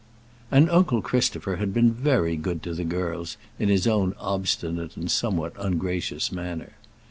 And uncle Christopher had been very good to the girls in his own obstinate and somewhat ungracious manner.